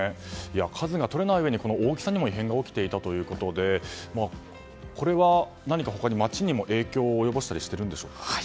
数がとれないうえに、大きさにも異変が起きていたということでこれは何か他に町にも、影響を及ぼしたりしているんでしょうか。